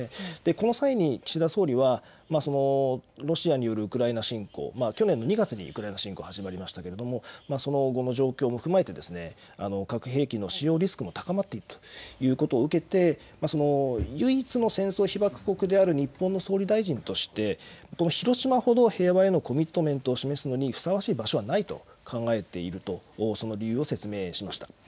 この際に岸田総理はロシアによるウクライナ侵攻、去年の２月にウクライナ侵攻が始まりましたけれどその後の状況も踏まえて核兵器の使用リスクも高まっているということを受けて唯一の戦争被爆国である日本の総理大臣として広島ほど平和へのコミットメントを示すのにふさわしい場所はないと考えているとその理由を説明しました。